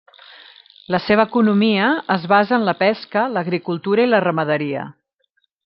La seva economia es basa en la pesca, l'agricultura i la ramaderia.